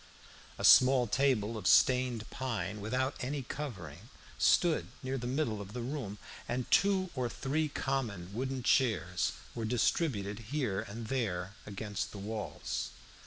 A small table of stained pine, without any covering, stood near the middle of the room, and two or three common wooden chairs were distributed here and there against the walls.